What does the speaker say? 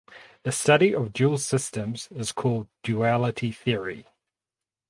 The study of dual systems is called duality theory.